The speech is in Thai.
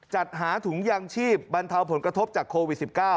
จัดหาถุงยางชีพบรรเทาผลกระทบจากโควิด๑๙